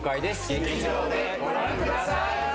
劇場でご覧ください。